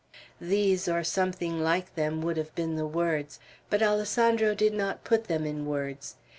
These, or something like them, would have been the words; but Alessandro did not put them in words.